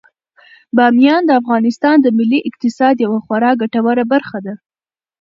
بامیان د افغانستان د ملي اقتصاد یوه خورا ګټوره برخه ده.